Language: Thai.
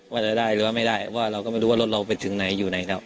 ว่าจะได้หรือว่าไม่ได้ว่าเราก็ไม่รู้ว่ารถเราไปถึงไหนอยู่ไหนครับ